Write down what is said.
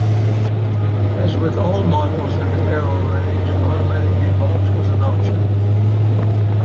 As with all models in the Arrow range, an automatic gearbox was an option.